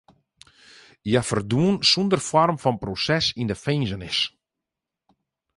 Hja ferdwûn sûnder foarm fan proses yn de finzenis.